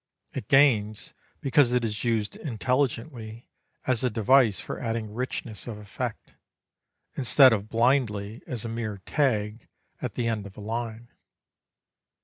It gains because it is used intelligently as a device for adding richness of effect, instead of blindly as a mere tag at the end of a line.